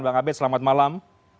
bang abed selamat malam